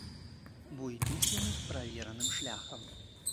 Бо ідуць яны правераным шляхам.